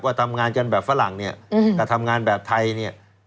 ว่าทำงานจันทร์แบบฝรั่งและทำงานแบบไทย